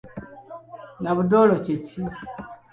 Nabudoolo kye ki?